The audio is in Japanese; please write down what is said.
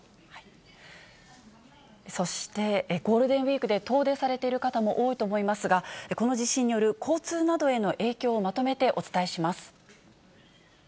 そして、ゴールデンウィークで遠出されている方も多いと思いますが、この地震による交通などへの影響をまとめてお伝えします。